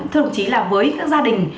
thưa đồng chí là với các gia đình